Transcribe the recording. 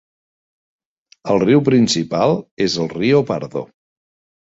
El riu principal és el Rio Pardo.